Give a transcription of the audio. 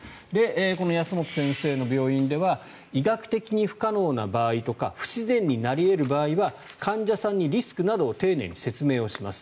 この安本先生の病院では医学的に不可能な場合とか不自然になり得る場合は患者さんにリスクなどを丁寧に説明します